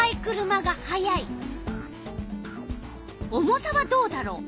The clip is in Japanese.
重さはどうだろう？